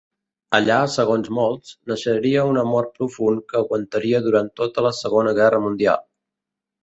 Allà, segons molts, naixeria un amor profund que aguantaria durant tota la Segona Guerra Mundial.